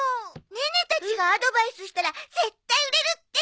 ネネたちがアドバイスしたら絶対売れるって！